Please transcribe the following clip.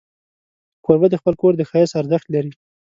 کوربه د خپل کور د ښایست ارزښت لري.